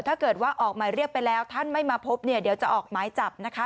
ถ้าเกิดว่าออกหมายเรียกไปแล้วท่านไม่มาพบเนี่ยเดี๋ยวจะออกหมายจับนะคะ